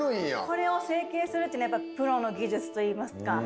これを成形するっていうのはプロの技術といいますか。